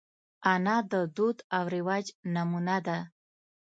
انا د دود او رواج نمونه ده